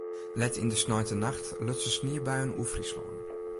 Let yn de sneintenacht lutsen sniebuien oer Fryslân.